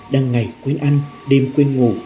đang ngày quên ăn đêm quên ngủ